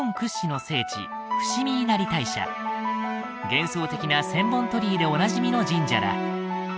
幻想的な千本鳥居でおなじみの神社だ